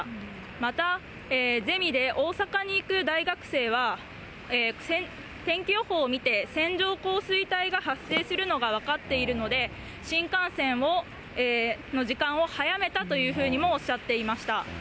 また、ゼミで大阪に行く大学生は、天気予報を見て、線状降水帯が発生するのが分かっているので、新幹線の時間を早めたというふうにもおっしゃっていました。